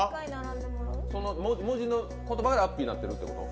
文字の言葉がラッピーになってるってこと？